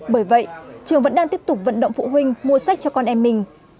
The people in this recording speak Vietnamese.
bởi vậy trường vẫn đang tiếp tục vận động phụ huynh mua sách cho con em mình